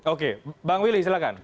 oke bang willy silahkan